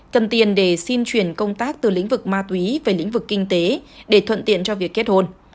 cần tiền để xin chuyển công tác từ lĩnh vực ma túy về lĩnh vực kinh tế để thuận tiện cho việc kết hôn